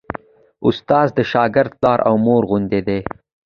استاد د شاګرد پلار او مور غوندې دی.